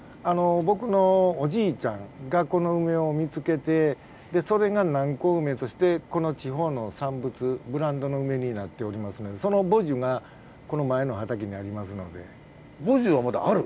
僕のおじいちゃんがこの梅を見つけてそれが南高梅としてこの地方の産物ブランドの梅になっておりますので母樹はまだある？